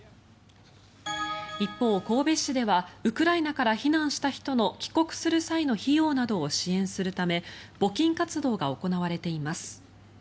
一方、神戸市ではウクライナから避難した人の帰国する際の費用などを支援するため募金活動が行われています。